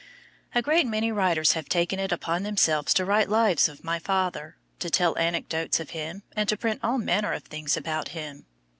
A great many writers have taken it upon themselves to write lives of my father, to tell anecdotes of him, and to print all manner of things about him.